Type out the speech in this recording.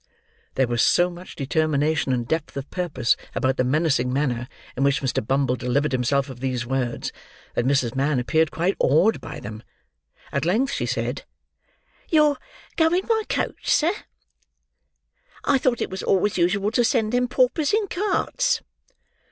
There was so much determination and depth of purpose about the menacing manner in which Mr. Bumble delivered himself of these words, that Mrs. Mann appeared quite awed by them. At length she said, "You're going by coach, sir? I thought it was always usual to send them paupers in carts."